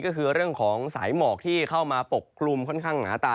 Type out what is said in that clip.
ก็คือเรื่องของสายหมอกที่เข้ามาปกคลุมค่อนข้างหนาตา